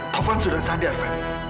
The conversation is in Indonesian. taufan sudah sadar pak